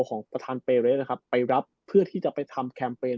ของประธานเปเรสนะครับไปรับเพื่อที่จะไปทำแคมเปญ